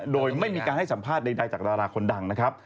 โดยไม่มีการให้สัมภาษณ์ใดจากดาราคนดังนะครับ